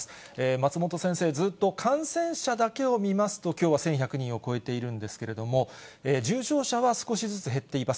松本先生、ずっと感染者だけを見ますと、きょうは１１００人を超えているんですけれども、重症者は少しずつ減っています。